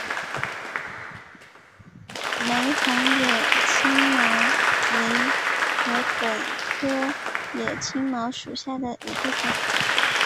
玫红野青茅为禾本科野青茅属下的一个种。